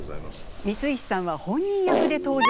光石さんは本人役で登場。